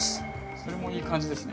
それもいい感じですね。